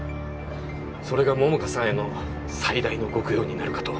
それが桃花さんへの最大のご供養になるかと。